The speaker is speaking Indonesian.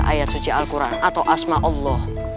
ayat suci'al kur'an atau asma'ullah